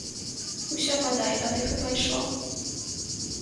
Усё, бадай, ад іх і пайшло.